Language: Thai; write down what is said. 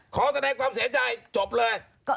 ขอแสดงความเสียใจจบเลย